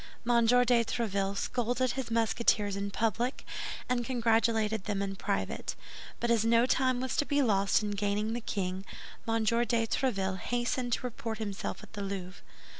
M. de Tréville scolded his Musketeers in public, and congratulated them in private; but as no time was to be lost in gaining the king, M. de Tréville hastened to report himself at the Louvre.